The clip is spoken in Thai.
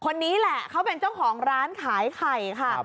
คนนี้แหละเขาเป็นเจ้าของร้านขายไข่ค่ะ